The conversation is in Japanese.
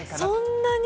そんなに？